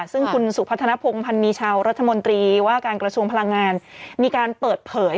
ซึ่งคุณสุพัฒนภงพันธ์มีชาวรัฐมนตรีว่าการกระทรวงพลังงานมีการเปิดเผย